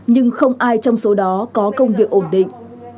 nhưng không ai trong số đó có công việc ổn định